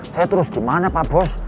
saya terus gimana pak bos